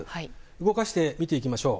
動かして見ていきましょう。